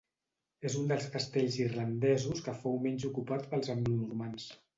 És un dels castells irlandesos que fou menys ocupat pels anglonormands.